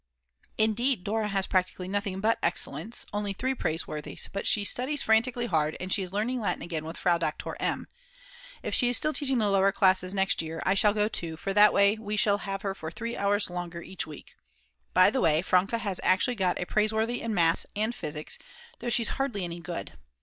Indeed Dora has practically nothing but Excellents, only three Praiseworthies; but she studies frantically hard, and she is learning Latin again with Frau Doktor M. If she is still teaching the lower classes next year, I shall go too, for that way we shall have her for 3 hours longer each week. By the way, Franke has actually got Praiseworthy in Maths. and Physics, though she's hardly any good.